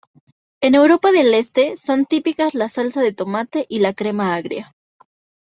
En Europa del Este, son típicas la salsa de tomate y la crema agria.